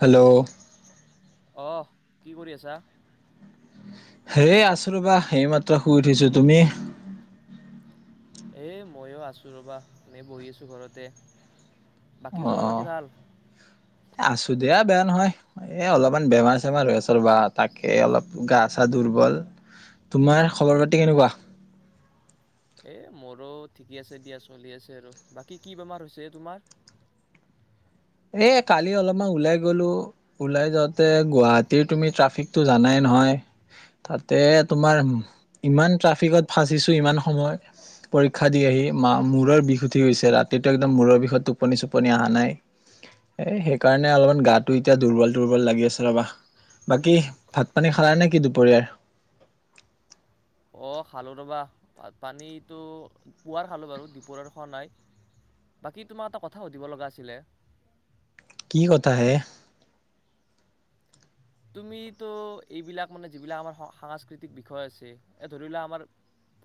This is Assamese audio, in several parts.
হেল্ল'। অঁ কি কৰি আছা। হেই আছো ৰ'বা এইমাত্ৰ শুই উঠিছো তুমি। এ মইও আছো ৰ'বা এনেই বহি আছো ঘৰতে। বাকী অ খবৰ অ পাতি ভাল। আছো দিয়া বেয়া নহয়, এ অলপমান বেমাৰ চেমাৰ হৈ আছো ৰ'বা তাকে অলপ গা চা দুৰ্বল, তোমাৰ খবৰ পাতি কেনেকুৱা। এ মোৰো ঠিকে আছে দিয়া চলি আছে আৰু বাকী কি বেমাৰ হৈছে হে তোমাৰ। এ কালি অলপমান ওলাই গ'লো ওলাই যাওঁতে গুৱাহাটীৰ তুমি ট্ৰাফিকটো জানাই নহয়, তাতে তোমাৰ ইমান ট্ৰাফিকত ফাঁচিছো ইমান সময় পৰীক্ষা দি আহি মা মূৰৰ বিষ উঠি গৈছে ৰাতিটো একদম মূৰৰ বিষত টোপনি চোপনি অহা নাই। এই সেইকাৰণে অলপমান গাটো এতিয়া দুৰ্বল দুৰ্বল লাগি আছে ৰ'বা, বাকী ভাত পানী খালা নে কি দুপৰীয়াৰ। অঁ খালোঁ ৰ'বা ভাত পানীটো পুৱাৰ খালোঁ বাৰু দুপৰৰ খোৱা নাই, বাকী তোমাক এটা কথা সুধিব লগা আছিলে। কি কথা হে। তুমিতো এইবিলাক মানে যিবিলাক আমাৰ সাংস্কৃতিক বিষয় আছে, এ ধৰি লোৱা আমাৰ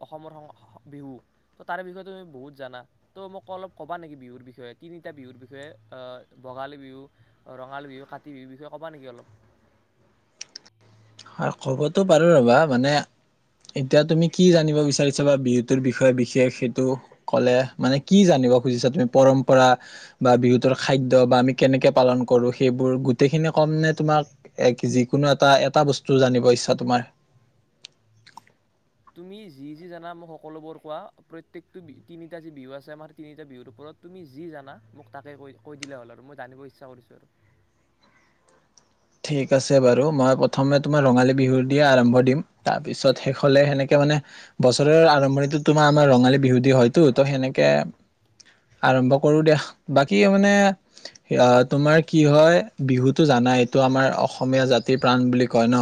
অসমৰ সং বিহু তাৰ বিষয়ে তুমি বহুত জানা ত' মোক অলপ ক'বা নেকি বিহুৰ বিষয়ে তিনিটা বিহুৰ বিষয়ে অ ভোগালী বিহু, ৰঙালী বিহু, কাতি বিহুৰ বিষয়ে ক'বা নেকি অলপ। হয়, ক'বতো পাৰো ৰ'বা মানে এতিয়া তুমি কি জানিব বিচাৰিছা বা বিহুতৰ বিষয়ে বিশেষ সেইটো ক'লে মানে কি জানিব খুজিছা তুমি পৰম্পৰা বা বিহুতৰ খাদ্য বা আমি কেনেকে পালন কৰো সেইবোৰ গোটেইখিনি কম নে তোমাক ই কি যিকোনো এটা- এটা বস্তু টো জানিব ইচ্ছা তোমাৰ। তুমি যি- যি জানা মোক সকলোবোৰ কোৱা প্ৰত্যেকটো তিনিটা যি বিহু আছে আমাৰ তিনিটা বিহুৰ ওপৰত তুমি যি জানা মোক তাকে কৈ- কৈ দিলে হ'ল আৰু মই জানিব ইচ্ছা কৰিছো। ঠিক আছে বাৰু মই প্ৰথমে তোমাৰ ৰঙালী বিহুৰ দিয়ে আৰম্ভ দিম তাৰপিছত শেষলে সেনেকে মানে বছৰৰ আৰম্ভণিটো তোমাৰ আমাৰ ৰঙালী বিহু দি হয়টো ত সেনেকে আৰম্ভ কৰো দিয়া বাকী মানে তোমাৰ কি হয় বিহুটো জানাই টো আমাৰ অসমীয়া জাতিৰ প্ৰাণ বুলি কয় ন,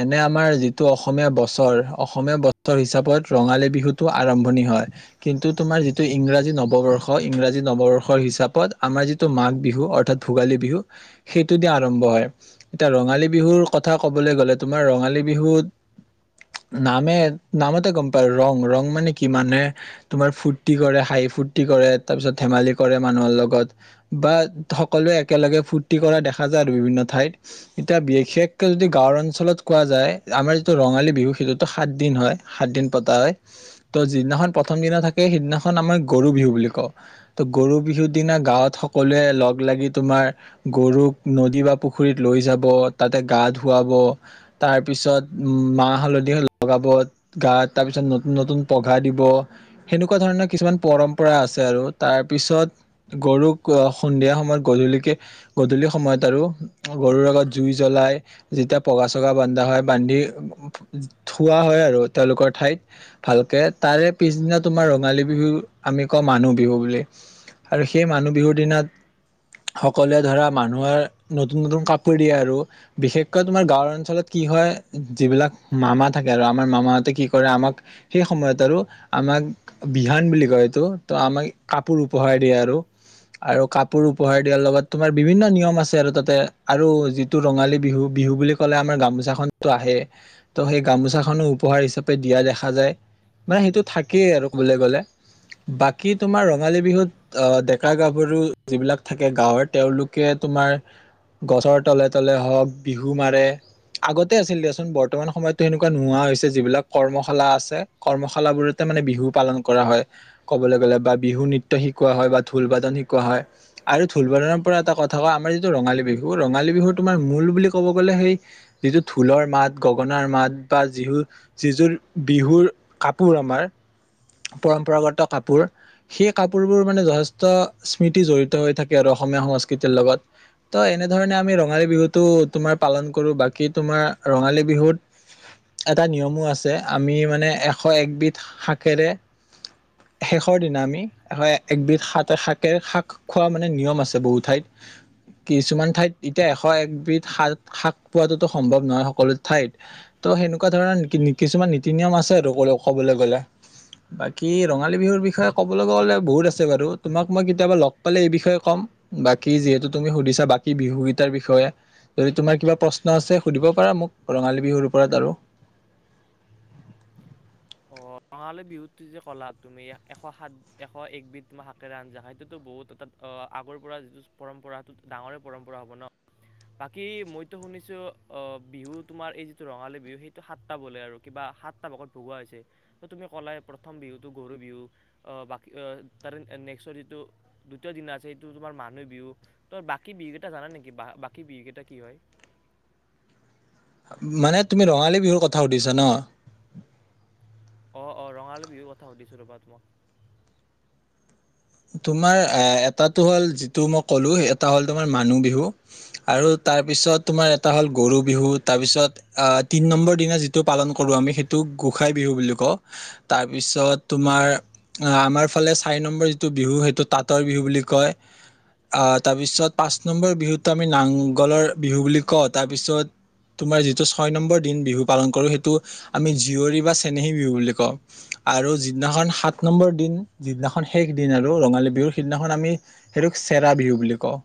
এনে আমাৰ যিটো অসমীয়া বছৰ অসমীয়া বছৰ হিচাপত ৰঙালী বিহুটো আৰম্ভণি হয়, কিন্তু তোমাৰ যিটো ইংৰাজী নৱবৰ্ষ ইংৰাজী নৱবৰ্ষৰ হিচাপত আমাৰ যিটো মাঘ বিহু অৰ্থাৎ ভোগালী বিহু সেইটো দি আৰ ৰম্ভ হয়, এতিয়া ৰঙালী বিহুৰ কথা ক'বলৈ গ'লে তোমাৰ ৰঙালী বিহুত নামে নামতে গম পা ৰং- ৰং মানে কি মানে তোমাৰ ফুৰ্তি কৰে হাঁহি ফুৰ্তি কৰে তাৰ পিছত ধেমালি কৰে মানুহৰ লগত বা সকলোৱে একেলগে ফুৰ্তি কৰা দেখা দেখা যায় আৰু বিভিন্ন ঠাইত, এতিয়া বিশেষকৈ যদি গাঁৱৰ অঞ্চলত কোৱা যায় আমাৰ যিটো ৰঙালী বিহু সেইটোতো সাতদিন হয়, সাতদিন পতা হয়, ত' যিদিনাখন প্ৰথম দিনা থাকে সেইদিনাখন আমাৰ গৰু বিহু বুলি কওঁ ত' গৰু বিহুৰ দিনা গাঁৱত সকলোৱে লগ লাগি তোমাৰ গৰুক নদী বা পুখুৰীত লৈ যাব তাতে গা ধুৱাব, তাৰ পিছত উ মাহ হালধি লগাব গা তাৰ পিছত নতুন নতুন পঘা দিব সেনেকুৱা ধৰণৰ কিছুমান পৰম্পৰা আছে আৰু তাৰ পিছত গৰুক সন্ধিয়া সময়ত গধূলিকে গধূলি সময়ত আৰু গৰুৰ আগত জুই জ্বলাই যেতিয়া পগা চগা বান্ধা হয় বান্ধি থোৱা হয় আৰু তেওঁলোকৰ ঠাইত, ভালকে তাৰে পিছদিনা তোমাৰ ৰঙালী বিহু আমি কওঁ মানুহ বিহু বুলি আৰু সেই মানুহ বিহুৰ দিনা সকলোৱে ধৰা মানুহৰ নতুন- নতুন কাপোৰ দিয়ে আৰু বিশেষকৈ তোমাৰ গাঁওৰ অঞ্চলত কি হয় যিবিলাক মামা থাকে আৰু আমাৰ মামাহতে কি কৰে আমাক সেই সময়ত আৰু আমাক বিহান বুলি কয় এইটো ত' আমাক কাপোৰ উপহাৰ দিয়ে আৰু-আৰু কাপোৰ উপহাৰ দিয়াৰ লগত তোমাৰ বিভিন্ন নিয়ম আছে আৰু তাতে আৰু যিটো ৰঙালী বিহু-বিহু বুলি ক'লে আমাৰ গামোচাখনটো আহে ত' সেই গামোচাখনো উপহাৰ হিচাপে দিয়া দেখা যায় মানে সেইটো থাকেই আৰু ক'বলৈ গ'লে, বাকী তোমাৰ ৰঙালী বিহুত ডেকা গাভৰু যিবিলাক থাকে গাঁৱৰ তেওঁলোক কে তোমাৰ গছৰ তলে তলে হওক বিহু মাৰে আগতে আছিল দিয়াচোন বৰ্তমান সময়তো সেনেকুৱা নোহোৱা হৈছে যিবিলাক কৰ্মশালা আছে কৰ্মশালা বোৰতে মানে বিহু পালন কৰা হয় ক'বলৈ গ'লে বা বিহু নৃত্য শিকোৱা হয় বা ঢোলবাদন শিকোৱা হয় আৰু ঢোলবাদনৰ পৰা এটা কথা ধৰা আমাৰ যিটো ৰঙালী বিহু ৰঙালী বিহু তোমাৰ মূল বুলি ক'ব গ'লে সেই যিটো ঢোলৰ মাত গগনাৰ মাত বা যি যিযোৰ বিহুৰ কাপোৰ আমাৰ পৰম্পৰাগত কাপোৰ, সেই কাপোৰবোৰ মানে যথেষ্ট স্মৃতি জড়িত হৈ থাকে আৰু অসমীয়া সংস্কৃতিৰ লগত, ত' এনেধৰণে আমি ৰঙালী বিহুতটো তোমাৰ পালন কৰো বাকী তোমাৰ ৰঙালী বিহুত এটা নিয়মো আছে আমি মানে এশ একবিধ শাকেৰে শেষৰ দিনা আমি এশ একবিধ সাত এ সাক এই শাক আৰু খোৱা মানে নিয়ম আছে বহুত ঠাইত কিছুমান ঠাইত এতিয়া এশ একবিধ শাত শাক পোৱাতোতো সম্ভৱ নহয় সকলো ঠাইত ত' সেনেকুৱা ধৰণৰ কিছুমান নীতি নিয়ম আছে আৰু কবলৈ গ'লে। বাকী ৰঙালী বিহুৰ বিষয়ে ক'বলৈ গ'লে বহুত আছে বাৰু তোমাক মই কেতিয়াবা লগ পালে এই বিষয়ে ক'ম, বাকী যিহেতু তুমি সুধিছা বাকী বিহুকেইটাৰ বিষয়ে যদি তোমাৰ কিবা প্ৰশ্ন আছে সুধিব পাৰা মোক ৰঙালী বিহুৰ ওপৰত আৰু। অঁ ৰঙালী বিহুটো যে ক'লা তুমি এশ সাত এশ একবিধ তোমাৰ শাকেৰে আঞ্জা খাই সেইটোতো বহুত অৰ্থাৎ আগৰ পৰা যিটো পৰম্পৰা সটো ডাঙৰে পৰম্পৰা হ'ব ন, বাকী মইতো শুনিছোঁ বিহু তোমাৰ এই যিটো ৰঙালী বিহু সেইটো সাতটা বোলে আৰু কিবা সাতটা ভাগত ভগোৱা হৈ চে, তুমি ক'লাই প্ৰথম বিহুতটো গৰু বিহু অ বাকী আহ তাৰে নেক্সৰ যিটো দ্বিতীয় দনা আছে সটো তোমাৰ মানুহ বিহু ত' বাকী বিহুকেইটা জানা নেকি বাকী বিহু কেইটা কি হয়। মানে তুমি ৰঙালী বিহুৰ কথা সুধিছা ন। অঁ-অঁৰঙালী বিহুৰ কথা সুধিছোঁ ৰ'বা তোমাক। তোমাৰ আ এটাটো হ'ল যিটো মই ক'লোঁ এটা হ'ল তোমাৰ মানুহ বিহু আৰু তাৰপিছত তোমাৰ এটা হ'ল গৰু বিহু তাৰপিছত তিনি নম্বৰ দিনা যিটো পালন কৰোঁ আমি সেইটো গোসাই বিহু বুলি কওঁ, তাৰপিছত তোমাৰ আমাৰ ফালে চাৰি নম্বৰ টো বিহু সেইটো তাঁতৰ বিহু বুলি কয়, আহ তাৰ পিছত পাঁচ নম্বৰ বিহুতো আমি নাংগলৰ বিহু বুলি কওঁ তাৰপিছত তোমাৰ যিটো ছয় নম্বৰ দিন বিহু পালন কৰোঁ সেইটো আমি জীয়ৰী বা চেনেহী বিহু বুলি কওঁ আৰু যিদিনাখন সাত নম্বৰ দিন যিদিনাখন শেষ দিন আৰু ৰঙালী বিহুৰ সিদিনাখন আমি সেইটো চেৰা বিহু বুলি কওঁ।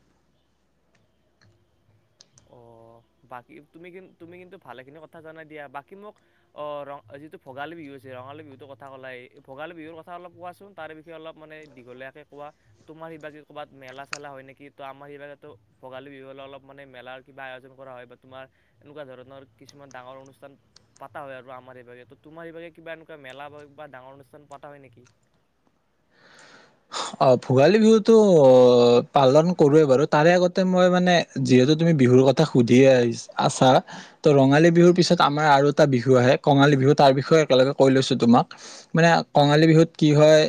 অঁ বাকী তুমি কিন্তু ভালেখিনি কথা জানাই দিয়া বাকী মোক অ ৰ যিটো ভোগালী বিহু আছে ৰঙালী বিহুটোৰ কথা ক'লাই এই ভোগালী বিহুৰ কথা অলপ কোৱাচোন তাৰ বিষয়ে অলপ মানে দীঘলীয়াকে কোৱা, তোমাৰ সিভাগে ক'বাত মেলা চেলা হয় নেকি ত' আমাৰ শিভাগে টো ভোগালী বিহু হ'লে অলপ মানে মেলাৰ কিবা আয়োজন কৰা হয় বা তোমাৰ এনেকুৱা ধৰণৰ কিছুমান ডাঙৰ অনুষ্ঠান পতা হয় আৰু আমাৰ এইভাগে ত তোমাৰ এইভাগে কিবা এনেকুৱা মেলা বা বা ডাঙৰ অনুষ্ঠান পতা হয় নেকি। অ ভোগালী বিহুতো পালন কৰোৱে বাৰু তাৰে আগতে মই মানে যিহেতু তুমি বিহুৰ কথা সুধি আহি আছা ত ৰঙালী বিহুৰ পিছত আমাৰ আৰু এটা বিহু আহে কঙালী বিহু তাৰ বিষয়ে একেলগে কৈ লৈছো তোমাক মানে কঙালী বিহুত কি হয়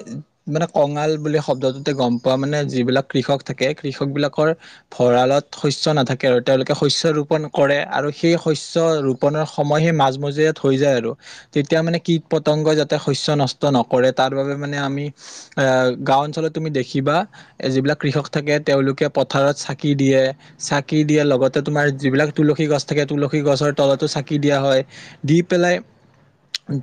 মানে। কঙাল বুলি শব্দটোতে গম পোৱা মানে যিবিলাক কৃষক থাকে কৃষক বিলাকৰ ভঁৰালত শস্য নাথাকে আৰু তেওঁলোকে শস্য ৰোপন কৰে আৰু সেই শস্য ৰোপনৰ সময় সেই মাজমজিয়াত হৈ যায় আৰু তেতিয়া মানে কীট পতংগই যাতে শস্য নষ্ট নকৰে তাৰ বাবে মানে আমি। আহ গাওঁ অঞ্চলত তুমি দেখিবা যিবিলাক কৃষক থাকে তেওঁলোকে পথাৰত চাকি দিয়ে চাকি দিয়ে লগতে তোমাৰ যিবিলাক তুলসী গছ থাকে তুলসী গছৰ তলতো চাকি দিয়া হয় দি পেলাই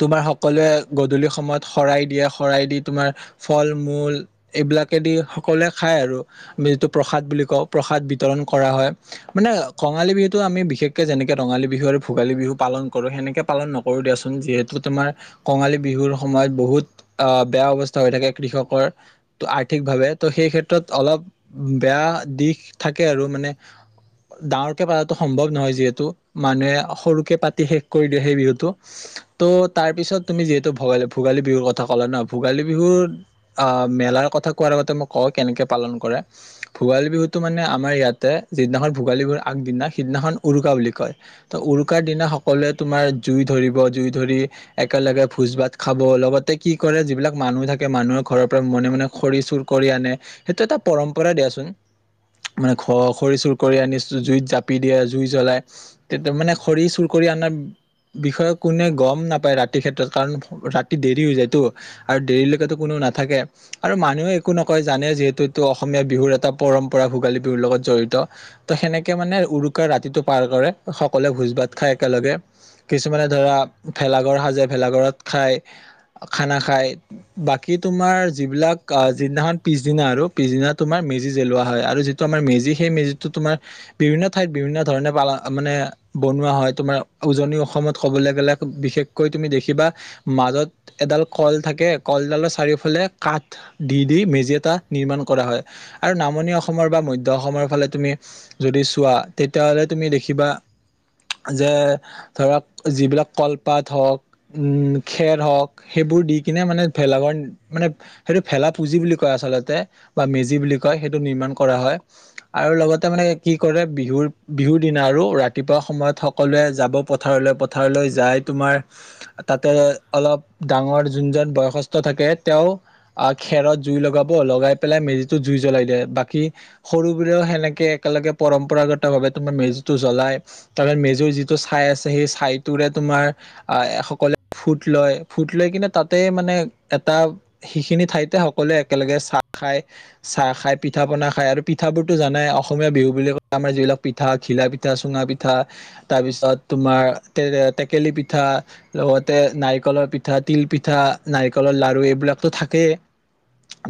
তোমাৰ সকলোৱে গধূলি সময়ত শৰাই দিয়ে শৰাই দি তোমাৰ। ফল মূল এইবিলাকেদি সকলোৱে খায় আৰু আমি যিটো প্ৰসাদ বুলি কওঁ প্ৰসাদ বিতৰণ কৰা হয় মানে কঙালী বিহুতটো আমি বিশেষকে যেনেকে ৰঙালী বিহু আৰু ভোগালী বিহু পালন কৰো সেনেকে পালন নকৰো দিয়াচোন যিহেতু তোমাৰ কঙালী বিহুৰ সময়ত বহুত আহ বেয়া অৱস্থা হৈ থাকে। কৃষকৰ ত আৰ্থিক ভাৱে ত' সেই ক্ষেত্ৰত অলপ বেয়া দিশ থাকে আৰু মানে ডাঙৰকে পতাটো সম্ভৱ নহয় যিহেতু মানুহে সৰুকে পাতি শেষ কৰি দিয়ে সেই বিহুতটো ত' তাৰ পিছত তুমি যিহেতু ভোগালী ভোগালী বিহুৰ কথা ক'লা নহ ভোগালী বিহু। আহ মেলাৰ কথা কোৱাৰ আগতে মই কওঁ কেনেকে পালন কৰে ভোগালী বিহুতটো মানে আমাৰ ইয়াতে যিদিনাখন ভোগালী বিহুৰ আগদিনা সিদিনাখন উৰুকা বুলি কয় ত উৰুকাৰ দিনা সকলোৱে তোমাৰ জুই ধৰিব জুই ধৰি একেলগে ভোজ-ভাত খাব লগতে কি কৰে যিবিলাক মানুহ থাকে মানুহৰ। ঘৰৰ পৰা মনে- মনে খৰি চুৰ কৰি আনে সেইটো এটা পৰম্পৰা দিয়াচোন মানে ঘ খৰি চুৰ কৰি আনি জুইত জাপি দিয়ে জুই জ্বলাই তে মানে খৰি চুৰ কৰি অনাৰ বিষয়ে কোনে গম নাপায় ৰাতিৰ ক্ষেত্ৰত কাৰণ ৰাতি দেৰি হৈ যায়তো আৰু দেৰিলৈকেতো কোনো না। থাকে আৰু মানুহে একো নকয় জানে যিহেতু এইটো অসমীয়া বিহুৰ এটা পৰম্পৰা ভোগালী বিহুৰ লগত জড়িত ত সেনেকে মানে উৰুকাৰ ৰাতিটো পাৰ কৰে সকলোৱে ভোজ-ভাত খায় একেলগে কিছুমানে ধৰা ভেলাঘৰ সাজে ভেলাঘৰত খায় খানা খায় বাকী। তোমাৰ যিবিলাক যিদিনাখন পিছদিনা আৰু পিছদিনা তোমাৰ মেজি জ্বলোৱা হয় আৰু যিটো আমাৰ মেজি সেই মেজি তোমাৰ বিভিন্ন ঠাইত বিভিন্ন ধৰণে পালা মানে বনোৱা হয় তোমাৰ উজনি অসমত কবলৈ গ'লে বিশেষকৈ তুমি দেখিবা মাজত এডাল কল থাকে কলডালৰ চাৰিও। ফালে কাঠ দি দি মেজি এটা নিৰ্মাণ কৰা হয় আৰু নামনি অসমৰ বা মধ্য অসমৰ ফালে তুমি যদি চোৱা তেতিয়াহ'লে তুমি দেখিবা যে ধৰক যিবিলাক কলপাত হওক উম খেৰ হওক সেইবোৰ দি কিনে মানে ভেলাঘৰ। মানে সেইটো ভেলা পুজি বুলি কয় আচলতে বা মেজি বুলি কয় সেইটো নিৰ্মাণ কৰা হয় আৰু লগতে মানে কি কৰে বিহুৰ বিহুৰ দিনা আৰু ৰাতিপুৱা সময়ত সকলোৱে যাব পথাৰলৈ পথাৰলৈ যাই তোমাৰ তাতে অলপ ডাঙৰ যোনজন বয়সস্থ থাকে। তেওঁ আহ খেৰত জুই লগাব লগাই পেলাই মেজিটো জুই জ্বলাই দিয়ে বাকী সৰুবোৰেও সেনেকে একেলগে পৰম্পৰাগত ভাৱে তোমাৰ মেজিটো জ্বলাই তাৰপৰা মেজিৰ যিটো ছাই আছে সেই ছাইটোৰে তোমাৰ আহ সকলে ফুট লয় ফুট লৈ কিনে তাতে মানে এটা। সেইখিনি ঠাইতে সকলোৱে একেলগে চাহ খায় চাহ খাই পিঠা পনা খায় আৰু পিঠাবোৰতো জানাই অসমীয়া বিহু বুলি কলে আমাৰ যিবিলাক পিঠা ঘিলা পিঠা চুঙা পিঠা তাৰ পিছত তোমাৰ টেকেলি পিঠা লগতে নাৰিকলৰ পিঠা তিল পিঠা নাৰিকলৰ লাৰু এইবিলাক। তো থাকেই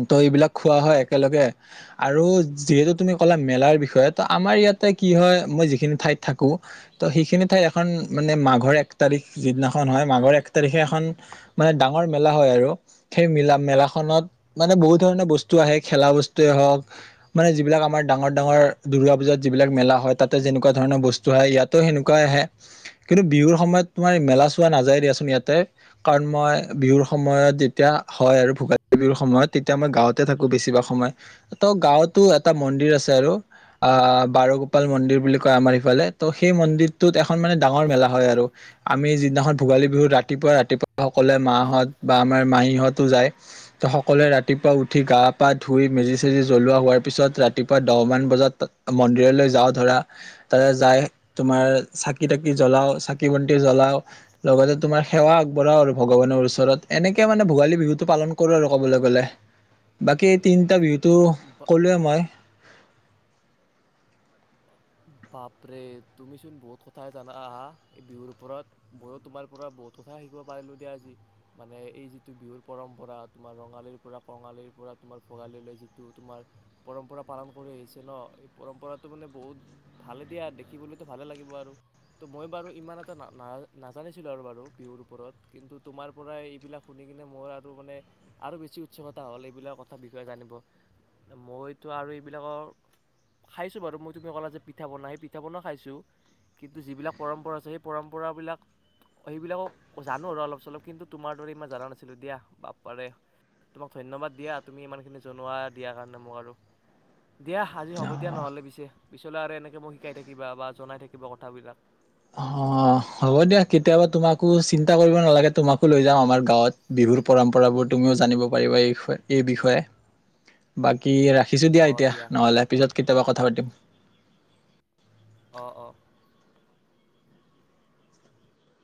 ত' এইবিলাক খোৱা হয় একেলগে আৰু যিহেতু তুমি ক'লা মেলাৰ বিষয়ে ত আমাৰ ইয়াতে কি হয় মই যিখিনি ঠাইত থাকোঁ। ত' সেইখিনি ঠাই এখন মানে মাঘৰ এক তাৰিখ যিদিনাখন হয় মাঘৰ এক তাৰিখে এখন মানে ডাঙৰ। মেলা হয় আৰু। সেই মিলা মেলাখনত মানে বহুত ধৰণৰ বস্তু আহে খেলা বস্তুৱেই হওক মানে যিবিলাক আমাৰ ডাঙৰ ডাঙৰ দূৰ্গা পূজাত যিবিলাক মেলা হয় তাতে যেনেকুৱা ধৰণৰ বস্তু আহে ইয়াতো সেনেকুৱাই আহে কিন্তু বিহুৰ সময়ত তোমাৰ মেলা চোৱা নাযায় দিয়াচোন ইয়াতে কাৰণ মই বিহুৰ সময়ত। তেতিয়া হয় আৰু ভোগালী বিহুৰ সময়ত তেতিয়া মই গাওঁতে থাকো বেছিভাগ সময় ত' গাঁৱতো এটা মন্দিৰ আছে আৰু আহ বাৰগোপাল মন্দিৰ বুলি কয় আমাৰ ইফালে ত সেই মন্দিৰটোত। এখন মানে ডাঙৰ মেলা হয় আৰু। আমি যিদিনাখন ভোগালী বিহুত ৰাতিপুৱা ৰাতিপুৱা সকলোৱে মাহঁত বা আমাৰ মাহী। হতো যায় ত' সকলোৱে ৰাতিপুৱা উঠি গা-পা ধুই মেজি-চেজি জ্বলোৱা হোৱাৰ পিছত ৰাতিপুৱা দহ মান বজাত মন্দিৰলৈ যাওঁ ধৰা তাতে যাই তোমাৰ চাকি তাকি জ্বলাও চাকি বন্তি জ্বলাও লগতে তোমাৰ সেৱা আগবঢ়াও আৰু ভগৱানৰ ওচৰত এনেকে মানে। ভোগালী বিহুতটো পালন কৰোঁ আৰু ক'বলৈ গ'লে বাকী তিনিটা বিহুত। তো বা ক'লোৱে মই। বাপৰে তুমিচোন বহুত কথাই জানা আহা এই বিহুৰ ওপৰত ময়ো তোমাৰ পৰা বহুত কথাাই শিকিব পাৰিলোঁ দিয়া আজি মানে এই যিটো বিহুৰ পৰম্পৰা তোমাৰ ৰঙালীৰ পৰা কঙালীৰ পৰা তোমাৰ ভোগালীলৈ যিটো তোমাৰ পৰম্পৰা পালন কৰি আহিছে নহ এই পৰম্পৰাটো মানে বহুত। ভালে দিয়া দেখিবলৈতো ভালে লাগিব আৰু ত' মই বাৰু ইমান এটা নাজানিছিলোঁ আৰু বাৰু বিহুৰ ওপৰত কিন্তু তোমাৰ পৰাই এইবিলাক শুনি কিনে মোৰ আৰু মানে আৰু বেছি উৎসুকতা হ'ল এইবিলাক কথা বিষয়ে জানিব মইতো আৰু এইবিলাকৰ খাইছোঁ বাৰু মই তুমি ক'লা যে। পিঠা-পনা সেই পিঠা-পনা খাইছোঁ কিন্তু যিবিলাক পৰম্পৰা আছে সেই পৰম্পৰাবিলাক সেইবিলাকক জানো আৰু অলপ চলপ কিন্তু তোমাৰ দৰে ইমান জনা নাছিলোঁ দিয়া বাপ পাৰে তোমাক ধন্যবাদ দিয়া তুমি ইমানখিনি জনোৱা দিয়া কাৰণে মোক আৰু দিয়া আজি হ'ব দিয়া নহ'লে পিছে। পিচলে আৰু এনেকে মোক শিকাই থাকিবা বা জনাই থাকিব কথাবিলাক। অ হ'ব দিয়া কেতিয়াবা তোমাকো চিন্তা কৰিব নালাগে তোমাকো লৈ যাওঁ আমাৰ গাঁৱত বিহুৰ পৰম্পৰাবোৰ তুমিও জানিব পাৰিবা এইয় এই বিষয়ে বাকী। কি ৰাখিছোঁ দিয়া এতিয়া নহ'লে পিছত কেতিয়াবা কথা পাতিম। অ অ।